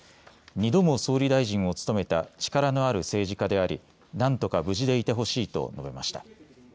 ２度も総理大臣を務めた力のある政治家であり何とか無事でいてほしいと述べました。